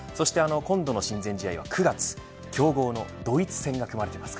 今度の親善試合は９月強豪のドイツ戦が組まれています。